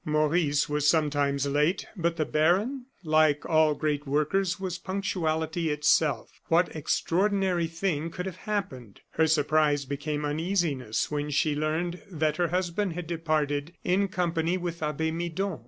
Maurice was sometimes late; but the baron, like all great workers, was punctuality itself. What extraordinary thing could have happened? Her surprise became uneasiness when she learned that her husband had departed in company with Abbe Midon.